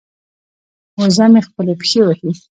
وزه مې خپلې پښې وهي.